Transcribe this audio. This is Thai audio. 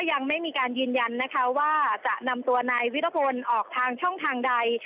ยังไม่มีการยืนยันนะคะว่าจะนำตัวนายวิรพลออกทางช่องทางใด